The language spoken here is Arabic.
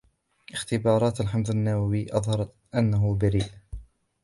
إختبارات الحمض النووي أظهرت أنه برئ.